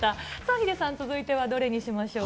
ヒデさん、続いてはどれにしましょうか。